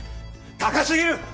高すぎる！